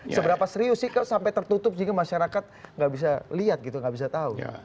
seberapa serius sih sampai tertutup sehingga masyarakat tidak bisa lihat tidak bisa tahu